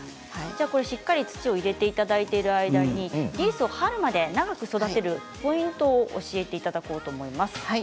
しっかり土を入れていただいている間にリースを春まで長く育てるポイントを教えていただこうと思います。